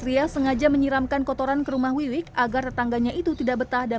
ria sengaja menyiramkan kotoran ke rumah wiwik agar tetangganya itu tidak betah dan